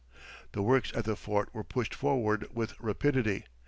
The works at the fort were pushed forward with rapidity.